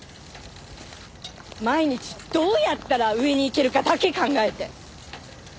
毎日どうやったら上にいけるかだけ考えて。